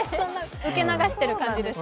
受け流してる感じですか？